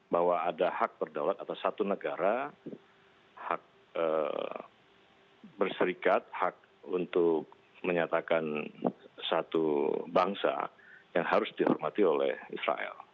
bahwa ada hak berdaulat atas satu negara hak berserikat hak untuk menyatakan satu bangsa yang harus dihormati oleh israel